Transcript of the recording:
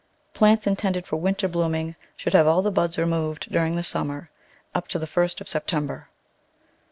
Plants in tended for winter blooming should have all the buds removed during the summer, up to the first of Sep tember.